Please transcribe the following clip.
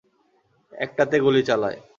একটাতে গুলি চালাই।